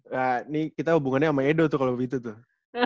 nah ini kita hubungannya sama edo tuh kalau begitu tuh